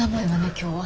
今日は。